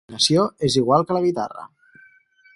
La seva afinació és igual que la guitarra.